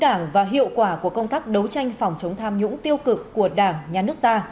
đảng và hiệu quả của công tác đấu tranh phòng chống tham nhũng tiêu cực của đảng nhà nước ta